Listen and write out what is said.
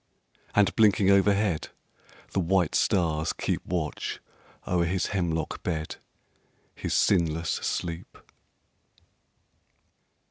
And blinking overhead the white stars keep Watch o'er his hemlock bed his sinless sleep.